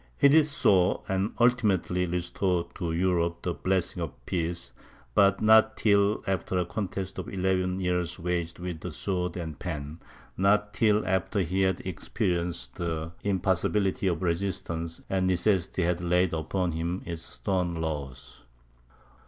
He did so, and ultimately restored to Europe the blessing of peace, but not till after a contest of eleven years waged with sword and pen; not till after he had experienced the impossibility of resistance, and necessity had laid upon him its stern laws.